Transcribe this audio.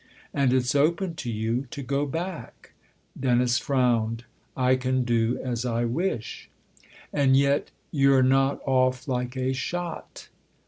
11 And it's open to you to go back ?" Dennis frowned. " I can do as I wish." " And yet you're not off like a shot